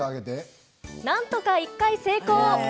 なんとか１回成功！